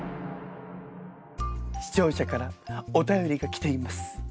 視聴者からお便りが来ています。